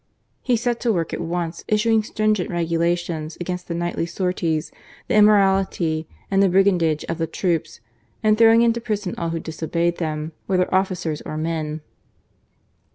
He set to work at once, issuing stringent regulations against the nightly sorties, the immorality and the brigandage of the troops, and throwing into prison all who dis obeyed them, whether officers or men.